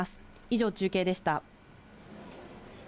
以上、中継でした。